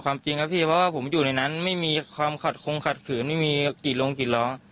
จริงครับพี่เพราะว่าผมอยู่ในนั้นไม่มีความขัดคงขัดขืนไม่มีกี่โรงกี่ล้อ